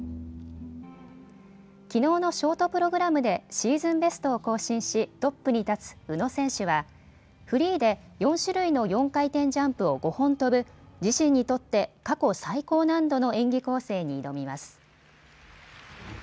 きのうのショートプログラムでシーズンベストを更新し、トップに立つ宇野選手はフリーで４種類の４回転ジャンプを５本跳ぶ自身にとって過去最高難度の演技構成に挑みます。